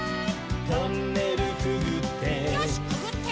「トンネルくぐって」